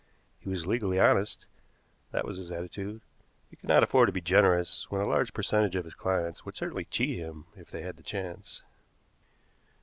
He was legally honest that was his attitude; he could not afford to be generous when a large percentage of his clients would certainly cheat him if they had the chance.